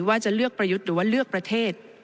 ว่าจะเลือกประยุทธ์หรือว่าเลือกประเทศ